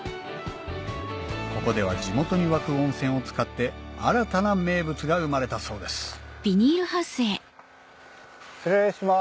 ここでは地元に湧く温泉を使って新たな名物が生まれたそうです失礼します